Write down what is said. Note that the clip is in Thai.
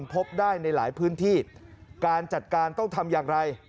พบได้ในหลายพื้นที่การจัดการต้องทำอย่างไร